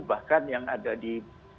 bahkan yang ada di